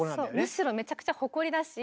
むしろめちゃくちゃ誇りだし。